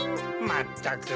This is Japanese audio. まったく。